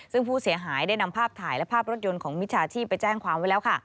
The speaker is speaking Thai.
ซึ่งผู้เสียหายได้นำภาพถ่ายและภาพรถยนต์ของมิจฉาชีพไปแจ้งความไว้แล้วค่ะ